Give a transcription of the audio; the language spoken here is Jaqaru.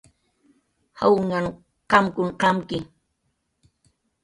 Jawunhan qamkun qamki